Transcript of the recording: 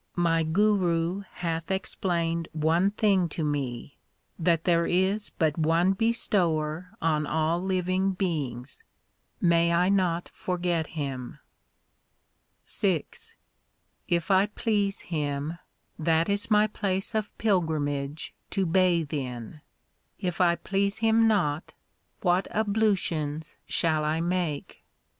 My Guru hath explained one thing to me That there is but one Bestower on all living beings ; may I not forget Him ! VI If I please Him, that is my place of pilgrimage to bathe in ; if I please Him not, what ablutions shall I make